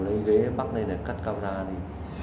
em lại lấy kìm và lấy ghế bắt lên để cắt camera đi